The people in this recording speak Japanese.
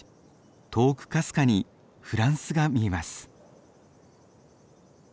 遠くかすかにフランスが見えます。